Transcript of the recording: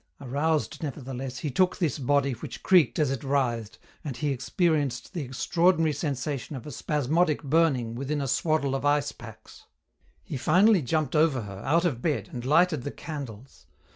aroused nevertheless, he took this body which creaked as it writhed, and he experienced the extraordinary sensation of a spasmodic burning within a swaddle of ice packs. He finally jumped over her, out of bed, and lighted the candles.